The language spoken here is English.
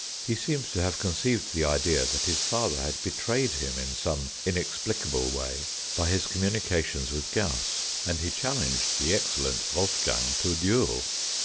He seems to have conceived the idea that his father had betrayed him in some inexplicable way by his communi cations with Gauss, and he challenged the excellent Wolfgang to a duel.